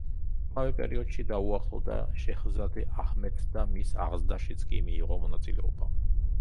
ამავე პერიოდში დაუახლოვდა შეჰზადე აჰმედს და მის აღზრდაშიც კი მიიღო მონაწილეობა.